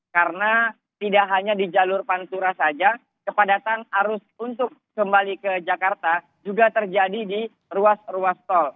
karena tidak hanya di jalur pantura saja kepadatan arus untuk kembali ke jakarta juga terjadi di ruas ruas tol